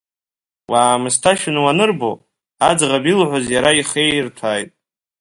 Уаамсҭашәаны уанырбо, аӡӷаб илҳәоз иара ихеирҭәааит.